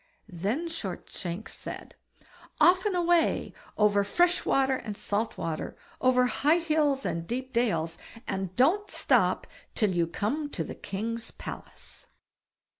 Then Shortshanks said: "Off and away, over fresh water and salt water, over high hills and deep dales, and don't stop till you come to the king's palace."